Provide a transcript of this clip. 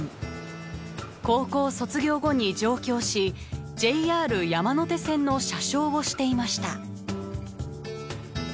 高校卒業後に上京しＪＲ山手線の車掌をしていました。